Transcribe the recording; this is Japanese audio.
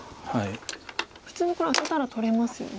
普通にこれアテたら取れますよね。